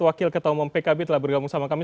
wakil ketua umum pkb telah bergabung sama kami